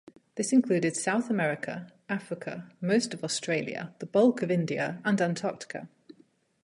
This included South America, Africa, most of Australia, the bulk of India, and Antarctica.